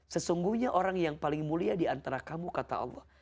sesungguhnya orang yang paling mulia diantara kamu kata allah